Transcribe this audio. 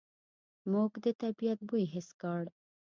موږ د طبعیت بوی حس کړ.